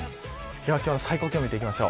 今日の最高気温です。